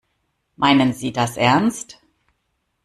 Meinen Sie das ernst?